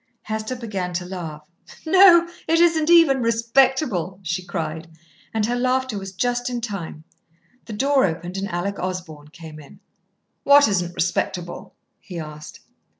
Hester began to laugh. "No, it isn't even respectable," she cried. And her laughter was just in time. The door opened and Alec Osborn came in. "What isn't respectable?" he asked.